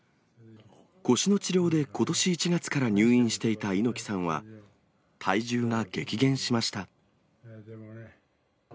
腰の治療でことし１月から入院していた猪木さんは、体重が激減しました。